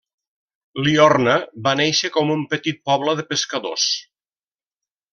Liorna va néixer com un petit poble de pescadors.